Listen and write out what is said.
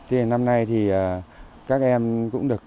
thì năm nay thì các em cũng được